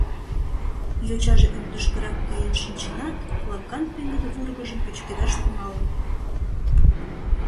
Йочаже ӧрдыжкырак каен шинчынат, клагган пеҥгыде вургыжым пӱчкедаш тӱҥалын.